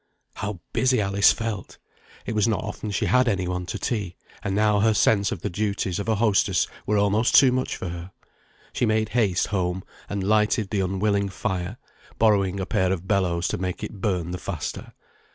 How busy Alice felt! it was not often she had any one to tea; and now her sense of the duties of a hostess were almost too much for her. She made haste home, and lighted the unwilling fire, borrowing a pair of bellows to make it burn the faster.